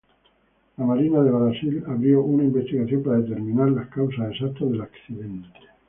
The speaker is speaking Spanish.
La Marina de Brasil abrió una investigación para determinar las causas exactas del accidente.